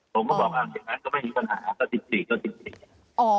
ผมก็บอกว่าถ้าเพิ่มงานก็ไม่มีปัญหาก็๑๔